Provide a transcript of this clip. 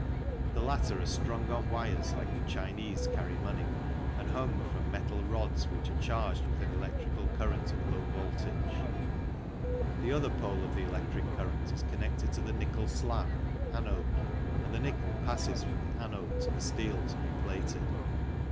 The latter are strung on wires like the Chinese carry money, and hung from metal rods which are charged with an electrical current of low voltage. The other pole of the electric current is connected to the nickel slab (anode) and the nickel passes from the anode to the steel to be plated.